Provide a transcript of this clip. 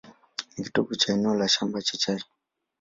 Ni kitovu cha eneo la mashamba ya chai.